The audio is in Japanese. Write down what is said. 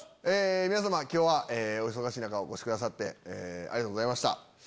皆様今日はお忙しい中お越しくださってありがとうございました。